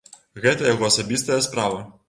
Гэта яго асабістая справа.